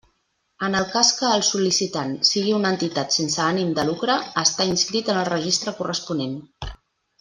En el cas que el sol·licitant sigui una entitat sense ànim de lucre, estar inscrit en el registre corresponent.